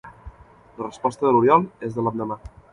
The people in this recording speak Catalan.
La resposta de l'Oriol és de l'endemà.